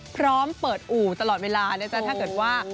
พร้อมเปิดอู่ตลอดเวลานะจ๊ะถ้าเกิดว่า